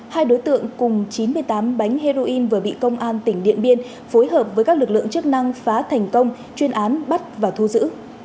hai đối tượng cùng chín mươi tám bánh heroin vừa bị công an tỉnh điện biên phối hợp với các lực lượng chức năng phá thành công chuyên án bắt và thu giữ